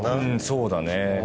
そうだね。